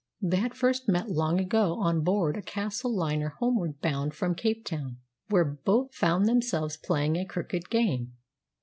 They had first met long ago on board a Castle liner homeward bound from Capetown, where both found themselves playing a crooked game.